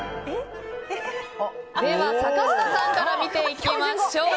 坂下さんから見ていきましょう。